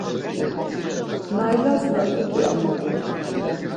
Naylas lazut̆i amabun.